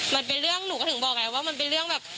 มันเป็นเรื่องหนูก็ถึงบอกไงว่ามันเป็นเรื่องแบบ